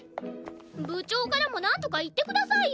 部長からもなんとか言ってくださいよ。